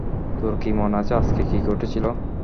তোর কি মনে আছে আজকে কী ঘটেছিল?